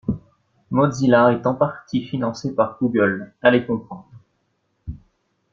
Mozilla est en parti financé par Google, allez comprendre!